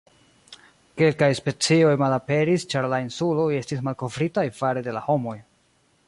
Kelkaj specioj malaperis ĉar la insuloj estis malkovritaj fare de la homoj.